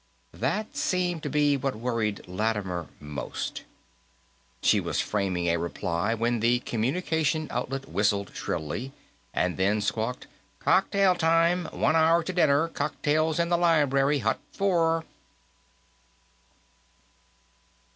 That seemed to be what worried Lattimer most. She was framing a reply when the communication outlet whistled shrilly, and then squawked: "Cocktail time! One hour to dinner; cocktails in the library, Hut Four!"